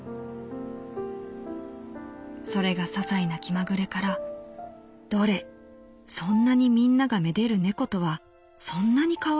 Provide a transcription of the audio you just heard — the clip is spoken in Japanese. それが些細な気まぐれから『どれそんなにみんなが愛でる猫とはそんなに可愛いものなのか。